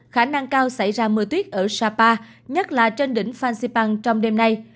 khả năng cao xảy ra mưa tuyết ở sapa nhất là trên đỉnh phan xipang trong đêm nay